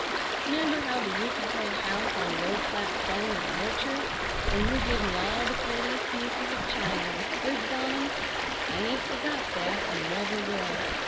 'Member how we used to play house on the old flat stone in the orchard, and you give me all the prettiest pieces of china with sprigs on 'em? I aint forgot that, and never will.